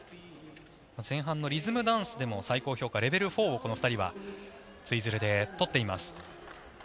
前半のリズムダンスでも最高評価のレベル４をこの２人はツイズルで取っています。